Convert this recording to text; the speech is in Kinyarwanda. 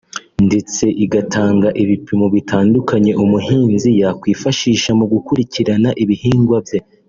ndetse igatanga ibipimo bitandukanye umuhinzi yakwifashisha mu gukurikirana ibihingwa bye